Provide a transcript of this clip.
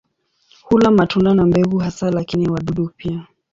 Hula matunda na mbegu hasa lakini wadudu pia.